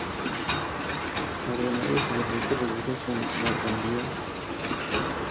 Ordenado sacerdote, regresa a su Normandía natal para reunir misiones populares.